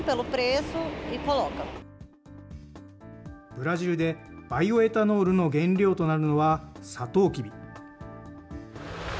ブラジルでバイオエタノールの原料となるのはサトウキビ。